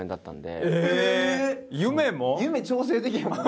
夢調整できへんわな。